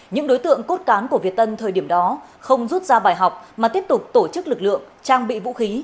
những đối tượng cốt cán của việt tân thời điểm đó không rút ra bài học mà tiếp tục tổ chức lực lượng trang bị vũ khí